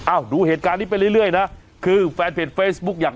ดูเหตุการณ์นี้ไปเรื่อยนะคือแฟนเพจเฟซบุ๊กอย่าง